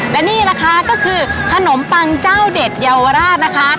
และนี่นะคะก็คือขนมปังเจ้าเด็ดเยาวราชนะคะ